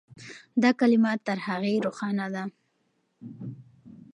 دا کلمه تر هغې روښانه ده.